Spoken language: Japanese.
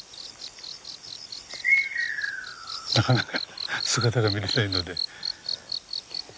なかなか姿が見れないので。